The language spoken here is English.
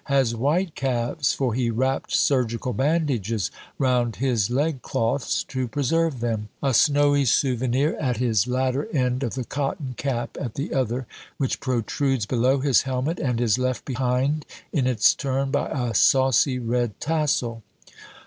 has white calves, for he wrapped surgical bandages round his leg cloths to preserve them, a snowy souvenir at his latter end of the cotton cap at the other, which protrudes below his helmet and is left behind in its turn by a saucy red tassel.